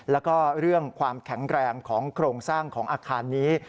แล้วก็เรื่องความแข็งแรงของโครงสร้างของอาคารนี้